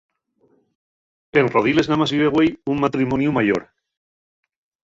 En Rodiles namás vive güei un matrimoniu mayor.